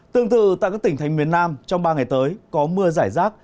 tương tự tại các tỉnh thành miền nam trong ba ngày tới có mưa giải rác